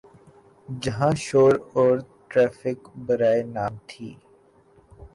جہاں شور اور ٹریفک برائے نام تھی۔